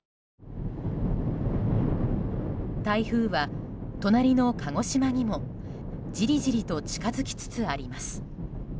台風は隣の鹿児島にもじりじりと近づきつつあります。